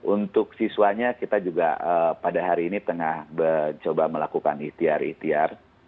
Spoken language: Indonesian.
untuk siswanya kita juga pada hari ini tengah mencoba melakukan ikhtiar ikhtiar